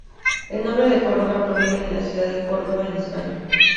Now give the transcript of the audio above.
El nombre de Córdova proviene de la ciudad de Córdoba en España.